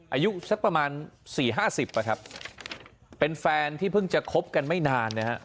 อายุสักประมาณสี่ห้าสิบอ่ะครับเป็นแฟนที่เพิ่งจะคบกันไม่นานนะฮะ